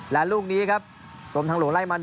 และลูกนี้ครับกรมทางหลวงไล่มา๑